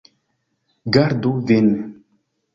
Gardu vin!